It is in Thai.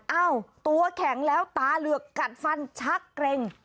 เอ้าตัวแข็งแล้วตาเหลือกกัดฟันชักเกร็ง